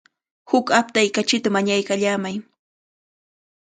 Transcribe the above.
Huk aptay kachita mañaykallamay.